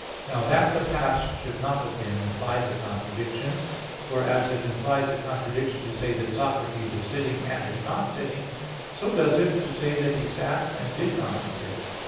Now that the past should not have been implies a contradiction. For as it implies a contradiction to say that Socrates is sitting, and is not sitting, so does it to say that he sat, and did not sit.